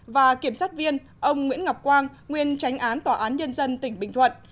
và kiểm sát viên ông nguyễn ngọc quang nguyên tránh án tòa án nhân dân tỉnh bình thuận